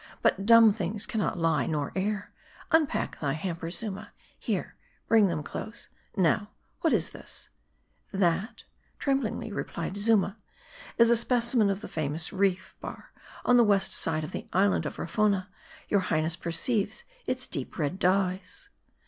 But dumb things can not lie nor err. Unpack, thy hampers, Zuma. Here, bring them close : now : what is this ?"" That," tremblingly replied Zuma, "is a specimen of the famous reef bar on the west side of the island of Rafona ; your highness perceives its" deep red dyes."